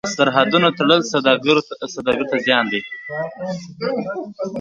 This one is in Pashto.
د سرحدونو تړل سوداګر ته زیان دی.